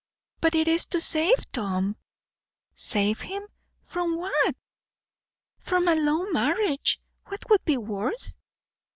"But it is to save Tom." "Save him! From what?" "From a low marriage. What could be worse?"